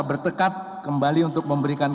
bertekad kembali untuk memberikan